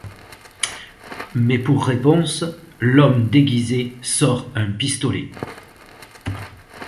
Mais pour réponse, l’homme déguisé sort un pistolet.